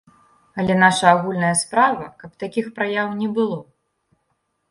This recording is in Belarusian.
Але наша агульная справа, каб такіх праяў не было.